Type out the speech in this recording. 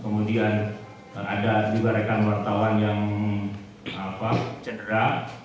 kemudian ada juga rekan wartawan yang cedera